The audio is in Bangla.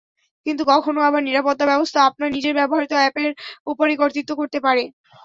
কিন্তু কখনো আবার নিরাপত্তাব্যবস্থা আপনার নিজের ব্যবহৃত অ্যাপের ওপরই কর্তৃত্ব করতে পারে।